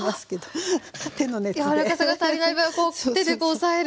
柔らかさが足りない分こう手で押さえるという。